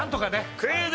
クイズ。